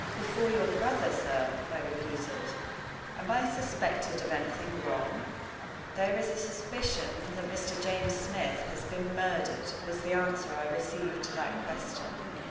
"Before your brother, sir!" I repeated. "Am I suspected of anything wrong?" "There is a suspicion that Mr. James Smith has been murdered," was the answer I received to that question.